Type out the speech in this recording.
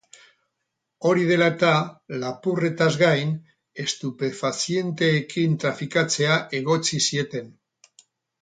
Hori dela eta, lapurretaz gain, estupefazienteekin trafikatzea egotzi zieten.